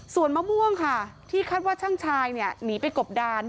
ส่วนมะม่วงค่ะที่คาดว่าช่างชายเนี่ยหนีไปกบดาน